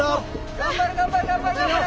頑張れ頑張れ頑張れ頑張れ！